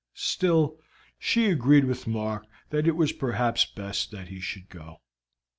Still, she agreed with Mark that it was perhaps best that he should go.